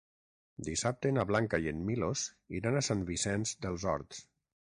Dissabte na Blanca i en Milos iran a Sant Vicenç dels Horts.